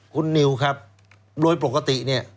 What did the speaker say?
คุณนิวครับโดยปกติเนี่ย